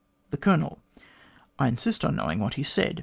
" The Colonel :* I insist on knowing what he said.